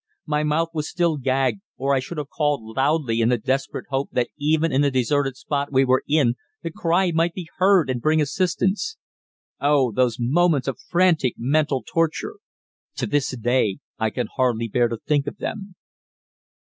My mouth was still gagged, or I should have called loudly in the desperate hope that even in the deserted spot we were in the cry might be heard and bring assistance. Oh, those moments of frantic mental torture! To this day I can hardly bear to think of them.